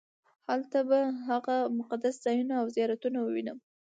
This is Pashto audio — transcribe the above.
هلته به هغه مقدس ځایونه او زیارتونه ووېنم.